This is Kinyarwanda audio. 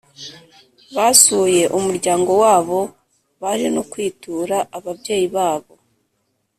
Basuye umuryango wabo baje no kwitura ababyeyi babo